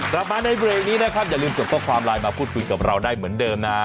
เรามาในเร็วนี้นะครับอย่าลืมทดตามไลน์มาพูดคุยกับเราได้เหมือนเดิมนะ